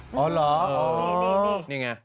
อ๋อเหรอนี่ไง